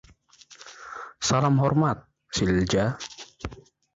Salam hormat, Silja.